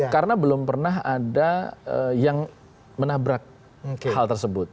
karena belum pernah ada yang menabrak hal tersebut